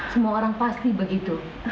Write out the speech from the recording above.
semua orang pasti begitu